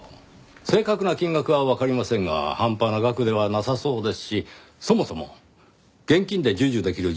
正確な金額はわかりませんが半端な額ではなさそうですしそもそも現金で授受できる状況ではありません。